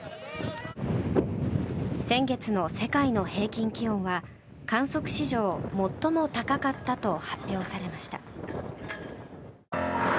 先月の世界の平均気温は観測史上最も高かったと発表されました。